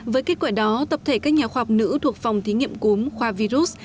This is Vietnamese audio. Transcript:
với kết quả đó tập thể các nhà khoa học nữ thuộc phòng thí nghiệm cúm khoa virus